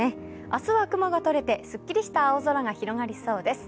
明日は雲がとれて、すっきりとした青空が広がりそうです。